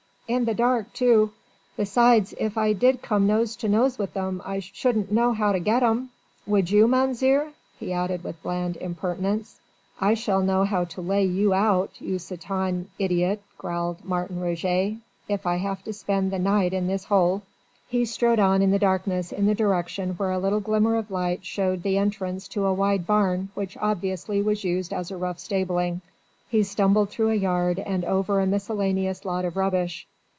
In the dark, too. Besides, if I did come nose to nose wi' 'em I shouldn't know 'ow to get 'em. Would you, Mounzeer?" he added with bland impertinence. "I shall know how to lay you out, you satané idiot," growled Martin Roget, "if I have to spend the night in this hole." He strode on in the darkness in the direction where a little glimmer of light showed the entrance to a wide barn which obviously was used as a rough stabling. He stumbled through a yard and over a miscellaneous lot of rubbish.